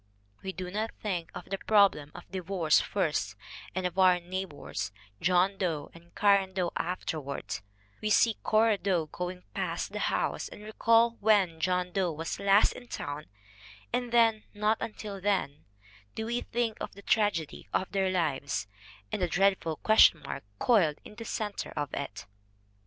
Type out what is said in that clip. We do not think of the problem of divorce first and of our neighbors, John Doe and Cora Doe, afterward; we see Cora Doe going past the house and recall when John Doe was last in town and then, and not until then, do we think of the tragedy of their lives and the dreadful question mark coiled in the center of it.